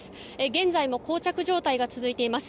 現在も膠着状態が続いています。